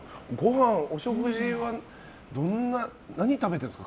お食事は何を食べてるんですか？